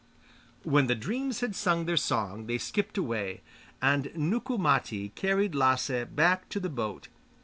When the dreams had sung their song they skipped away, and Nukku Matti carried Lasse back to the boat.